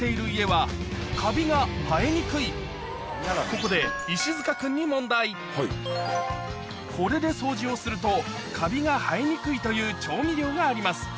ここで石塚君にこれで掃除をするとカビが生えにくいという調味料があります